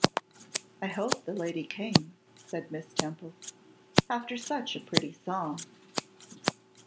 'I hope the lady came,' said Miss Temple, 'after such a pretty song.